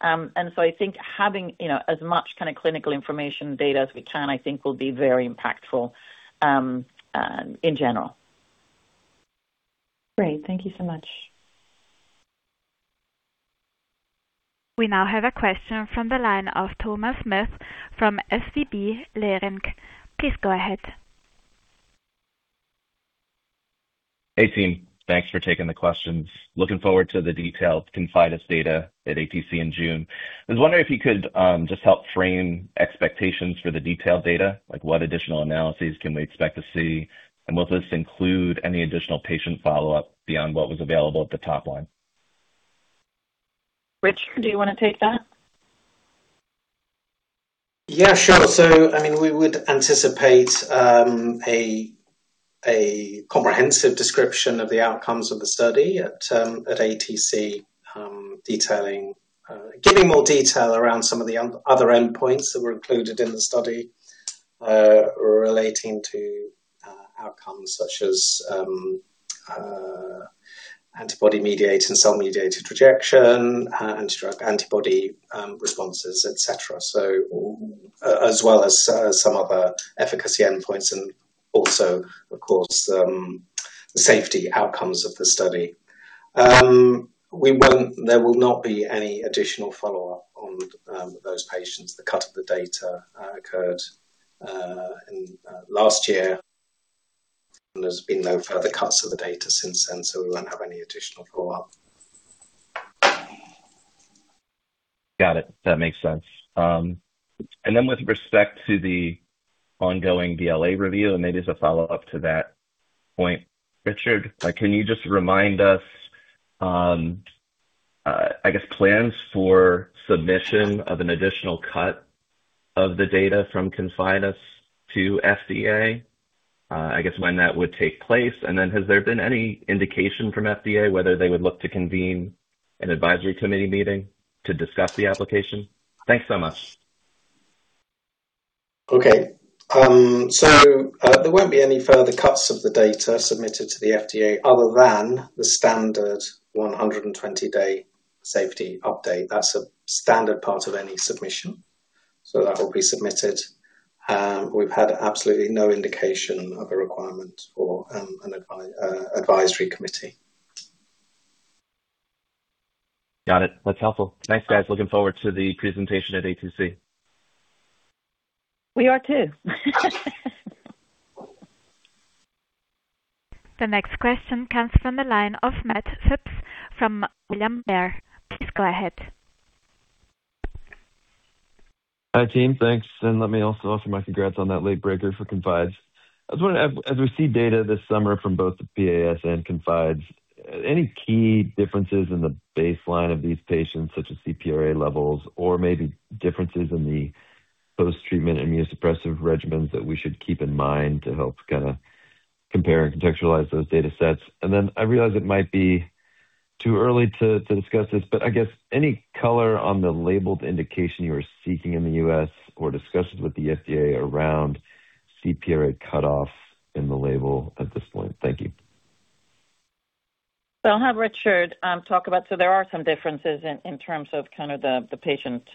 I think having as much clinical information data as we can, I think will be very impactful in general. Great. Thank you so much. We now have a question from the line of Thomas Smith from SVB Leerink. Please go ahead. Hey, team. Thanks for taking the questions. Looking forward to the detailed ConfIdeS data at ATC in June. I was wondering if you could just help frame expectations for the detailed data, like what additional analyses can we expect to see, and will this include any additional patient follow-up beyond what was available at the top line? Richard, do you want to take that? Yeah, sure. We would anticipate a comprehensive description of the outcomes of the study at ATC, giving more detail around some of the other endpoints that were included in the study, relating to outcomes such as antibody-mediated, cell-mediated rejection, anti-drug antibody responses, etc. So, as well as some other efficacy endpoints and also, of course, the safety outcomes of the study. There will not be any additional follow-up on those patients. The cut of the data occurred last year, and there's been no further cuts of the data since then, so we won't have any additional follow-up. Got it. That makes sense. Then with respect to the ongoing BLA review, and maybe as a follow-up to that point, Richard, can you just remind us, I guess, plans for submission of an additional cut of the data from ConfIdeS to FDA, I guess, when that would take place? Then has there been any indication from FDA whether they would look to convene an advisory committee meeting to discuss the application? Thanks so much. Okay. There won't be any further cuts of the data submitted to the FDA other than the standard 120-day safety update. That's a standard part of any submission. That will be submitted. We've had absolutely no indication of a requirement for an advisory committee. Got it. That's helpful. Thanks, guys. Looking forward to the presentation at ATC. We are, too. The next question comes from the line of Matt Phipps from William Blair. Please go ahead. Hi, team. Thanks, and let me also offer my congrats on that late breaker for ConfIdeS. I was wondering, as we see data this summer from both the PAES and ConfIdeS, any key differences in the baseline of these patients, such as CPRA levels or maybe differences in the post-treatment immunosuppressive regimens that we should keep in mind to help compare and contextualize those data sets? I realize it might be too early to discuss this, but I guess any color on the labeled indication you are seeking in the U.S. or discussions with the FDA around CPRA cutoff in the label at this point? Thank you. There are some differences in terms of the patient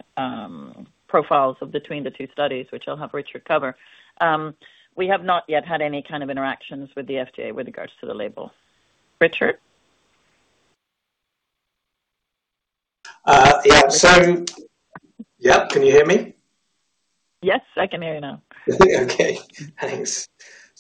profiles between the two studies, which I'll have Richard cover. We have not yet had any kind of interactions with the FDA with regards to the label. Richard? Yeah. Can you hear me? Yes, I can hear you now. Okay. Thanks.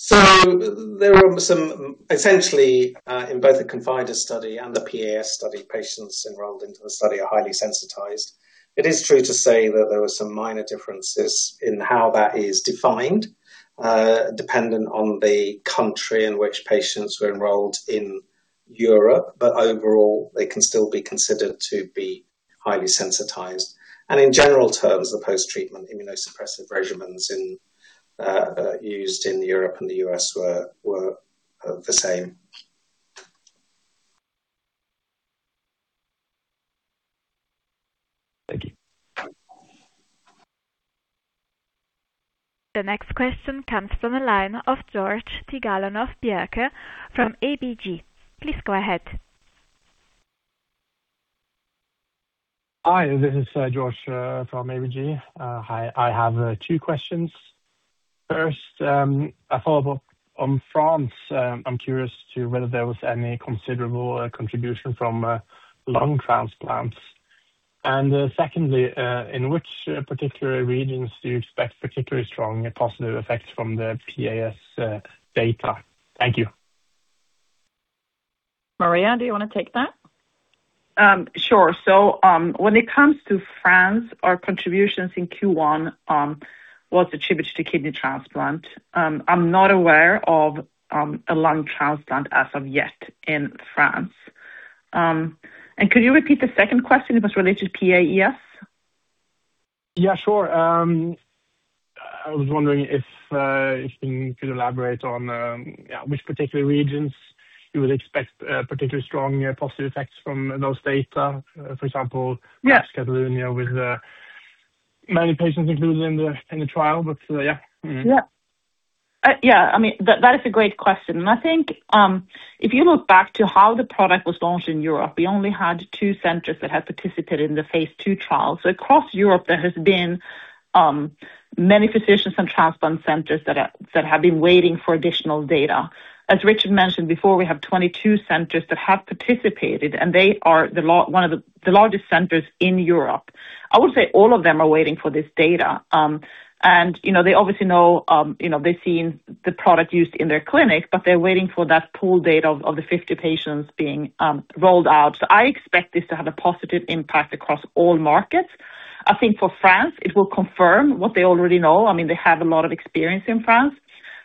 There are some, essentially, in both the ConfIdeS study and the PAES study, patients enrolled into the study are highly sensitized. It is true to say that there are some minor differences in how that is defined, dependent on the country in which patients were enrolled in Europe, but overall they can still be considered to be highly sensitized. In general terms, the post-treatment immunosuppressive regimens used in Europe and the U.S. were the same. Thank you. The next question comes from the line of Georg Tigalonov-Bjerke from ABG. Please go ahead. Hi, this is Georg from ABG. Hi, I have two questions. First, a follow-up on France. I'm curious as to whether there was any considerable contribution from lung transplants. Secondly, in which particular regions do you expect particularly strong positive effects from the PAES data? Thank you. Maria, do you want to take that? Sure. When it comes to France, our contributions in Q1 was attributed to kidney transplant. I'm not aware of a lung transplant as of yet in France. Could you repeat the second question? It was related to PAES. Yeah, sure. I was wondering if you could elaborate on which particular regions you would expect particularly strong positive effects from those data, for example, with many patients included in the trial, but yeah. Yeah. I mean, that is a great question. I think if you look back to how the product was launched in Europe, we only had two centers that had participated in the phase II trial. Across Europe, there has been many physicians from transplant centers that have been waiting for additional data. As Richard mentioned before, we have 22 centers that have participated, and they are one of the largest centers in Europe. I would say all of them are waiting for this data. They obviously know, they've seen the product used in their clinic, but they're waiting for that pooled data of the 50 patients being rolled out. I expect this to have a positive impact across all markets. I think for France, it will confirm what they already know. I mean, they have a lot of experience in France,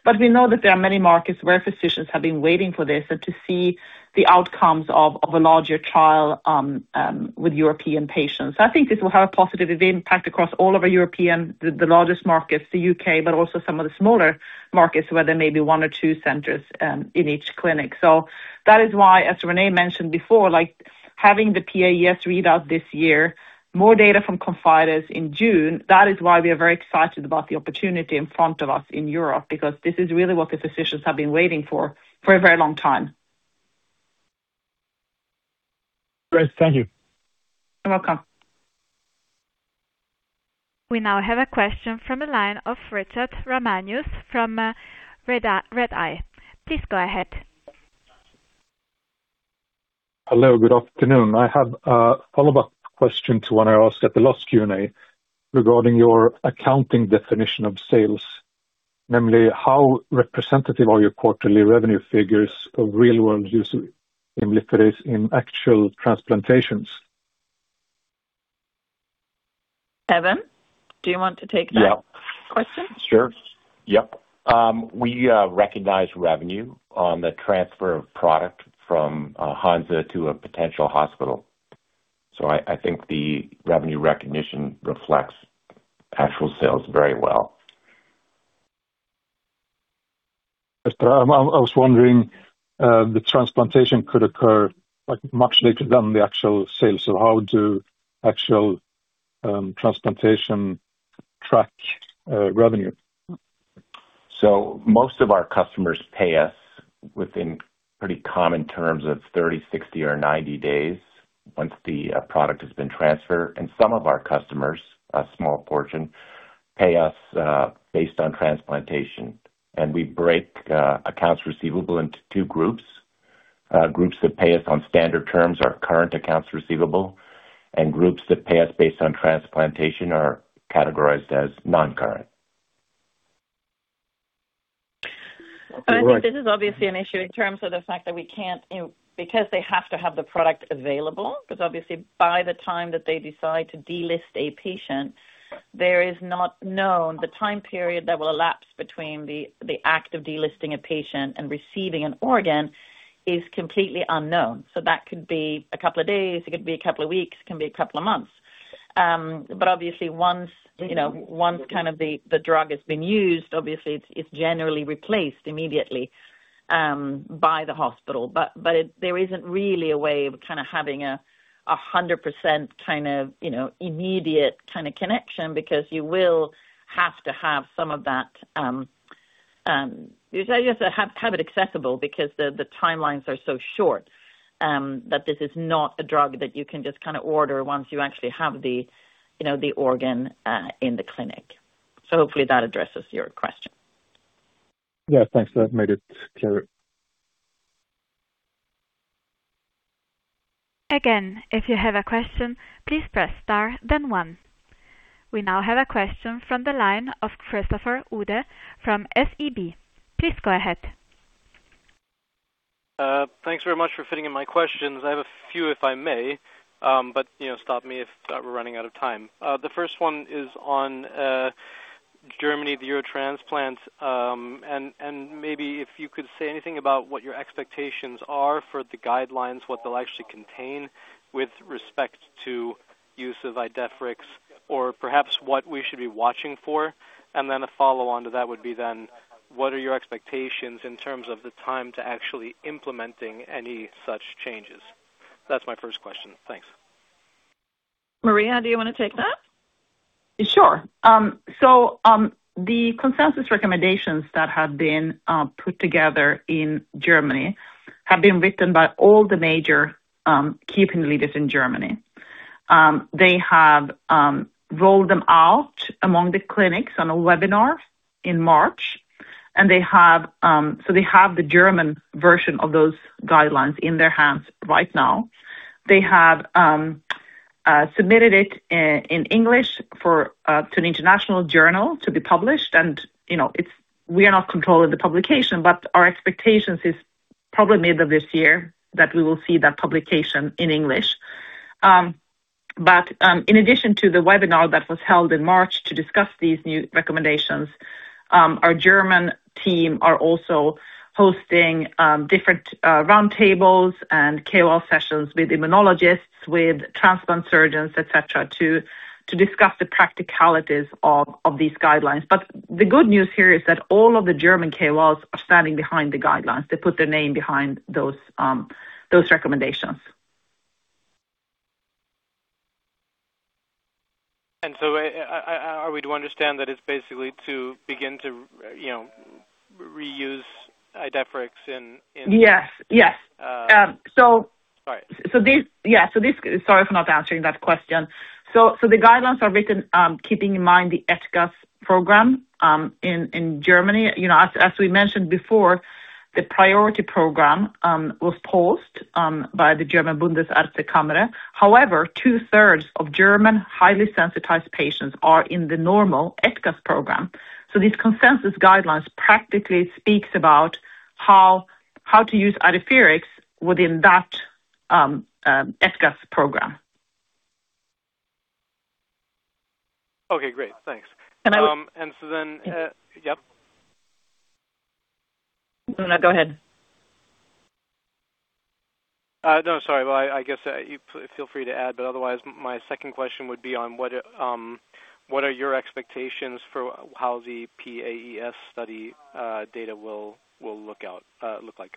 but we know that there are many markets where physicians have been waiting for this and to see the outcomes of a larger trial with European patients. I think this will have a positive impact across all of our European, the largest markets, the U.K., but also some of the smaller markets where there may be one or two centers in each clinic. That is why, as Renée mentioned before, like having the PAES readout this year, more data from ConfIdeS in June, that is why we are very excited about the opportunity in front of us in Europe, because this is really what the physicians have been waiting for a very long time. Great. Thank you. You're welcome. We now have a question from the line of Richard Ramanius from Redeye. Please go ahead. Hello, good afternoon. I have a follow-up question to one I asked at the last Q&A regarding your accounting definition of sales, namely, how representative are your quarterly revenue figures of real world use of Idefirix in actual transplantations? Evan Ballantyne, do you want to take that question? Sure. Yep. We recognize revenue on the transfer of product from Hansa to a potential hospital. I think the revenue recognition reflects actual sales very well. I was wondering if the transplantation could occur much later than the actual sale. How does the actual transplantation track revenue? Most of our customers pay us within pretty common terms of 30, 60 or 90 days once the product has been transferred. Some of our customers, a small portion, pay us based on transplantation. We break accounts receivable into two groups. Groups that pay us on standard terms are current accounts receivable, and groups that pay us based on transplantation are categorized as non-current. I think this is obviously an issue in terms of the fact that because they have to have the product available, because obviously by the time that they decide to delist a patient, there is no known time period that will elapse between the act of delisting a patient and receiving an organ, which is completely unknown. That could be a couple of days, it could be a couple of weeks, it can be a couple of months. Obviously once the drug has been used, obviously it's generally replaced immediately by the hospital. There isn't really a way of having a 100% immediate kind of connection because you will have to have some of that, you have to have it accessible because the timelines are so short, that this is not a drug that you can just order once you actually have the organ in the clinic. Hopefully that addresses your question. Yeah. Thanks. That made it clear. Again, if you have a question, please press star then one. We now have a question from the line of Christopher Ude from SEB. Please go ahead. Thanks very much for fitting in my questions. I have a few if I may, but stop me if we're running out of time. The first one is on Germany, the Eurotransplant, and maybe if you could say anything about what your expectations are for the guidelines, what they'll actually contain with respect to use of Idefirix or perhaps what we should be watching for. Then a follow-on to that would be then, what are your expectations in terms of the time to actually implementing any such changes? That's my first question. Thanks. Maria, do you want to take that? Sure. The consensus recommendations that have been put together in Germany have been written by all the major opinion leaders in Germany. They have rolled them out among the clinics on a webinar in March. They have the German version of those guidelines in their hands right now. They have submitted it in English to an international journal to be published. We are not controlling the publication, but our expectations is probably middle of this year that we will see that publication in English. In addition to the webinar that was held in March to discuss these new recommendations, our German team are also hosting different round tables and KOL sessions with immunologists, with transplant surgeons, et cetera, to discuss the practicalities of these guidelines. The good news here is that all of the German KOLs are standing behind the guidelines. They put their name behind those recommendations. Are we to understand that it's basically to begin to reuse Idefirix in- Yes. Sorry. Sorry for not answering that question. The guidelines are written keeping in mind the ETKAS program in Germany. As we mentioned before, the priority program was paused by the German Bundesärztekammer. However, two-thirds of German highly sensitized patients are in the normal ETKAS program. These consensus guidelines practically speaks about how to use Idefirix within that ETKAS program. Okay, great. Thanks. And I- Yep. No, go ahead. No, sorry. Well, I guess feel free to add, but otherwise my second question would be on what are your expectations for how the PAES study data will look like?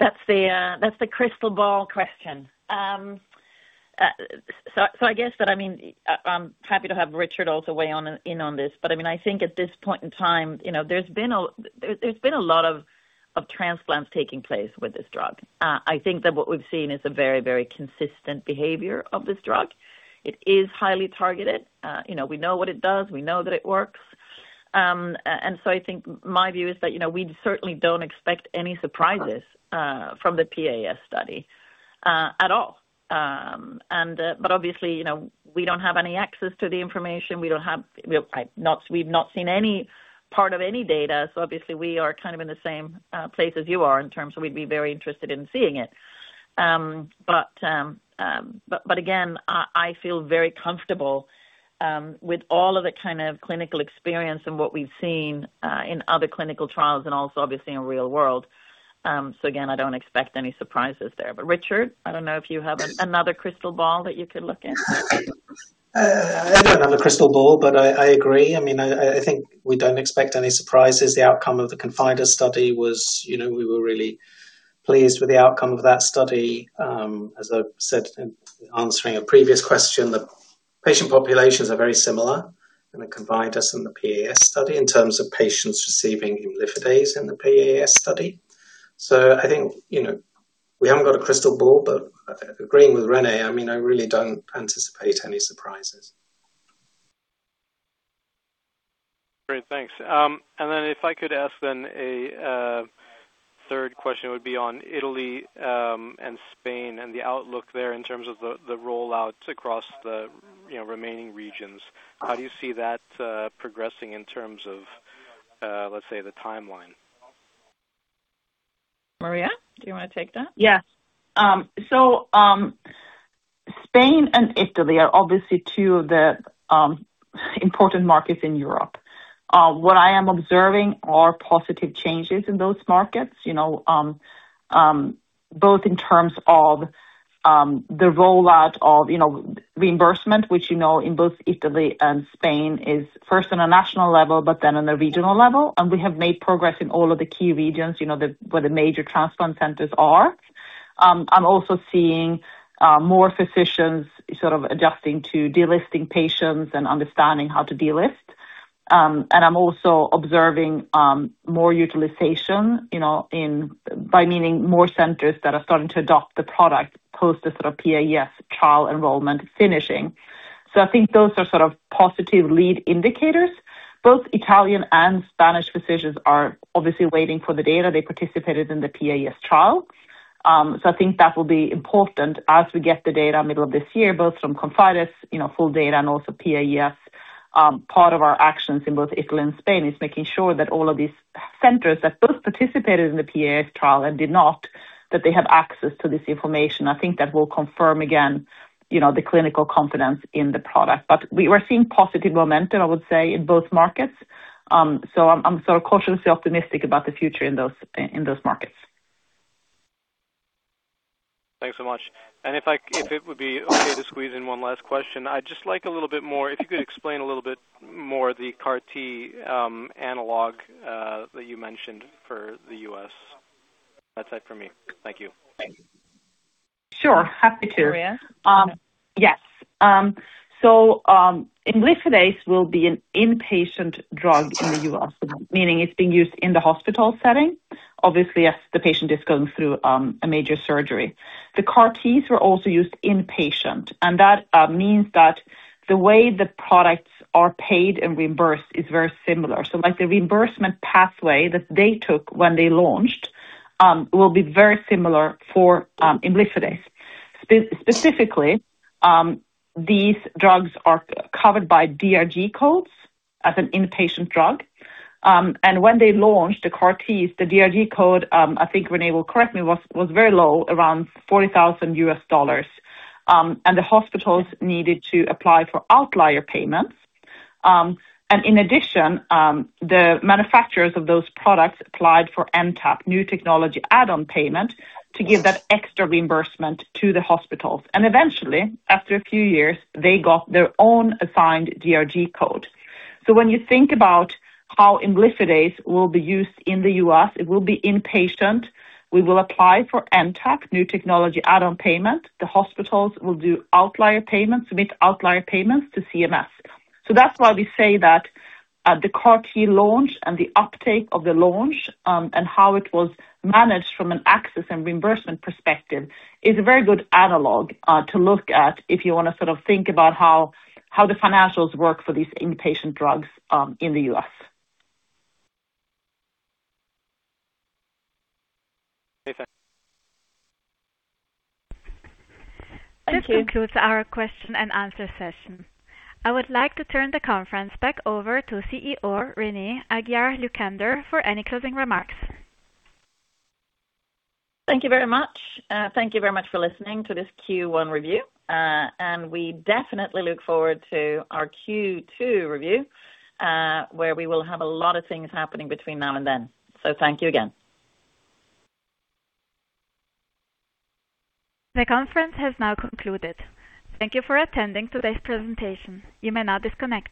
That's the crystal ball question. I guess that, I'm happy to have Richard also weigh in on this, but I think at this point in time there's been a lot of transplants taking place with this drug. I think that what we've seen is a very, very consistent behavior of this drug. It is highly targeted. We know what it does. We know that it works. I think my view is that we certainly don't expect any surprises from the PAES study at all. Obviously, we don't have any access to the information. We've not seen any part of any data, so obviously we are kind of in the same place as you are in terms of we'd be very interested in seeing it. Again, I feel very comfortable with all of the kind of clinical experience and what we've seen in other clinical trials and also obviously in real world. Again, I don't expect any surprises there. Richard, I don't know if you have another crystal ball that you could look in. I don't have a crystal ball, but I agree. I think we don't expect any surprises. The outcome of the ConfIdeS study was we were really pleased with the outcome of that study. As I said in answering a previous question, the patient populations are very similar in the ConfIdeS and the PAES study in terms of patients receiving imlifidase in the PAES study. I think, we haven't got a crystal ball, but agreeing with Renée, I really don't anticipate any surprises. Great. Thanks. If I could ask then a third question would be on Italy and Spain and the outlook there in terms of the roll-outs across the remaining regions. How do you see that progressing in terms of, let's say, the timeline? Maria, do you want to take that? Yes. Spain and Italy are obviously two of the important markets in Europe. What I am observing are positive changes in those markets, both in terms of the rollout of reimbursement, which in both Italy and Spain is first on a national level but then on a regional level. We have made progress in all of the key regions where the major transplant centers are. I'm also seeing more physicians sort of adjusting to delisting patients and understanding how to delist. I'm also observing more utilization, I mean more centers that are starting to adopt the product post the sort of PAES trial enrollment finishing. I think those are sort of positive lead indicators. Both Italian and Spanish physicians are obviously waiting for the data. They participated in the PAES trial. I think that will be important as we get the data middle of this year, both from ConfIdeS full data and also PAES. Part of our actions in both Italy and Spain is making sure that all of these centers that both participated in the PAES trial and did not, that they have access to this information. I think that will confirm, again, the clinical confidence in the product. But we're seeing positive momentum, I would say, in both markets. I'm cautiously optimistic about the future in those markets. Thanks so much. If it would be okay to squeeze in one last question, I'd just like a little bit more, if you could explain a little bit more the CAR T analog that you mentioned for the U.S. That's it from me. Thank you. Sure. Happy to. Maria? Yes. So, imlifidase will be an inpatient drug in the U.S., meaning it's being used in the hospital setting, obviously, as the patient is going through a major surgery. The CAR Ts were also used inpatient, and that means that the way the products are paid and reimbursed is very similar. The reimbursement pathway that they took when they launched will be very similar for imlifidase. Specifically, these drugs are covered by DRG codes as an inpatient drug. When they launched the CAR Ts, the DRG code, I think Renée will correct me, was very low, around $40,000. The hospitals needed to apply for outlier payments. In addition, the manufacturers of those products applied for NTAP, new technology add-on payment, to give that extra reimbursement to the hospitals. Eventually, after a few years, they got their own assigned DRG code. When you think about how imlifidase will be used in the U.S., it will be inpatient. We will apply for NTAP, new technology add-on payment. The hospitals will do outlier payments, submit outlier payments to CMS. That's why we say that the CAR T launch and the uptake of the launch, and how it was managed from an access and reimbursement perspective, is a very good analog to look at if you want to think about how the financials work for these inpatient drugs in the U.S. Okay, thanks. This concludes our question and answer session. I would like to turn the conference back over to CEO, Renée Aguiar-Lucander, for any closing remarks. Thank you very much. Thank you very much for listening to this Q1 review, and we definitely look forward to our Q2 review, where we will have a lot of things happening between now and then. Thank you again. The conference has now concluded. Thank you for attending today's presentation. You may now disconnect.